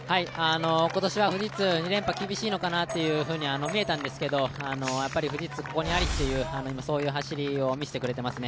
今年は富士通、２連覇厳しいのかなと見えたんですが、富士通、ここにありきという今、そういう走りを見せてくれていますね。